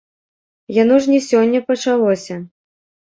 Яно ж не сёння пачалося.